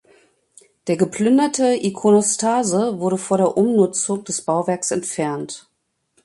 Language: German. Der geplünderte Ikonostase wurde vor der Umnutzung des Bauwerks entfernt.